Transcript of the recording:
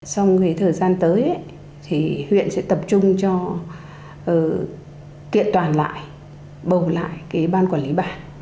sau thời gian tới huyện sẽ tập trung cho kiện toàn lại bầu lại ban quản lý bản